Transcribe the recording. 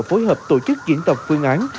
phối hợp tổ chức diễn tập phương án